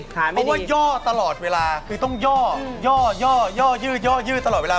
เพราะว่าย่อตลอดเวลาคือต้องย่อย่อยื่อย่อยื่อตลอดเวลา